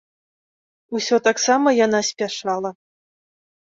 Усё таксама яна спяшала.